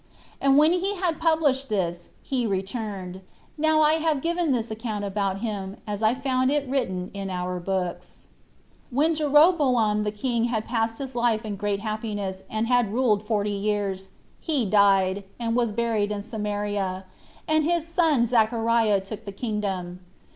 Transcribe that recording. And when he had published this, he returned. Now I have given this account about him as I found it written [in our books.] 3. When Jeroboam the king had passed his life in great happiness, and had ruled forty years, he died, and was buried in Samaria, and his son Zachariah took the kingdom.